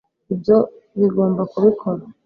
ibyo bigomba kubikora